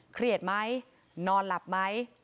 เครียดไหมนอนหลับไหม